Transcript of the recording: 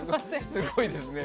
すごいですね。